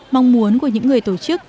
mong muốn của những người tổ chức